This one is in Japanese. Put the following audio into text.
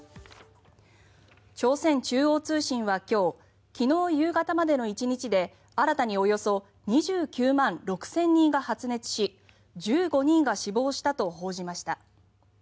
朝鮮中央通信は今日昨日夕方までの１日で新たにおよそ２９万６０００人が発熱し１５人が死亡したと報じました。